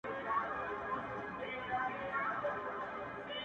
صبر د بریا بنسټ دی.